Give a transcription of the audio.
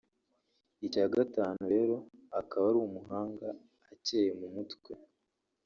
Icya gatanu rero akaba ari umuhanga/acyeye mu mutwe